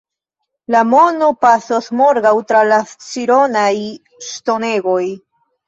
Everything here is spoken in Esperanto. La mono pasos morgaŭ tra la Scironaj ŝtonegoj.